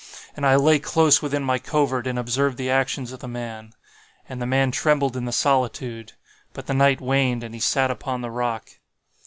And I lay close within my covert and observed the actions of the man. And the man trembled in the solitude;—but the night waned and he sat upon the rock.